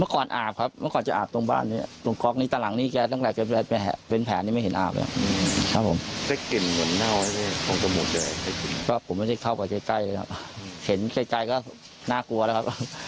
ก็ทำอย่างไรไปใกล้ไม่ยอมไปทำอย่างไรล่ะครับ